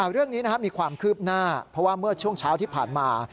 เรื่องนี้มีความคืบหน้าเพราะว่าเมื่อช่วงเช้าที่ผ่านมา